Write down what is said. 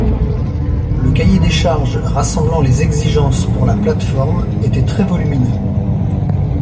Le cahier des charges rassemblant les exigences pour la plate-forme était très volumineux.